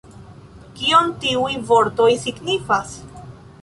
Kion tiuj vortoj signifas?